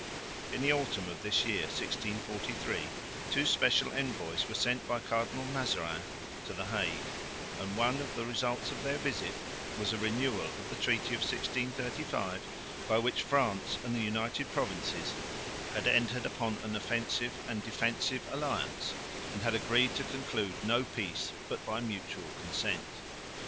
In the autumn of this year, 1643, two special envoys were sent by Cardinal Mazarin to the Hague; and one of the results of their visit was a renewal of the treaty of 1635 by which France and the United Provinces had entered upon an offensive and defensive alliance and had agreed to conclude no peace but by mutual consent.